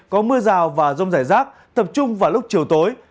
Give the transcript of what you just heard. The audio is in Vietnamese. có mưa rào và rông rải rác tập trung vào lúc chiều tối